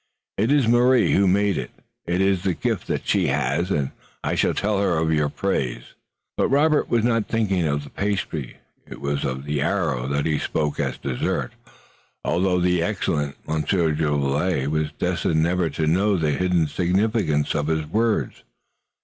"It is Marie who made it. It is the gift that she has, and I shall tell her of your praise." But Robert was not thinking of the pastry. It was of the arrow that he spoke as dessert, although the excellent Monsieur Jolivet was destined never to know the hidden significance of his words.